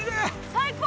最高！